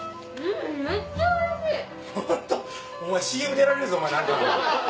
お前ＣＭ出られるぞ何かの。